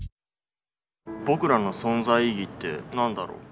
僕らの存在意義って何だろう？